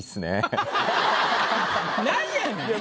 何やねん！